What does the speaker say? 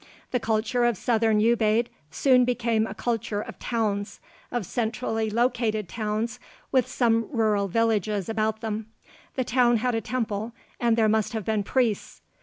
The culture of southern Ubaid soon became a culture of towns of centrally located towns with some rural villages about them. The town had a temple and there must have been priests.